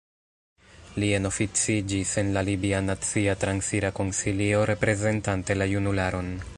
Li enoficiĝis en la libia Nacia Transira Konsilio reprezentante la junularon.